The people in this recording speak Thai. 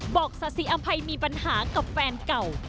ศาสิอำภัยมีปัญหากับแฟนเก่า